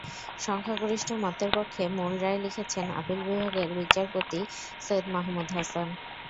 সংখ্যাগরিষ্ঠ মতের পক্ষে মূল রায় লিখেছেন আপিল বিভাগের বিচারপতি সৈয়দ মাহমুদ হোসেন।